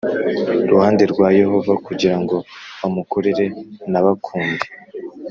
ruhande rwa Yehova kugira ngo bamukorere n bakunde